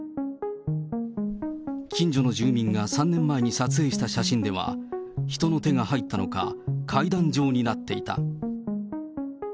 近所の住民が３年前に撮影した写真では、人の手が入ったのか、階段状になっていた。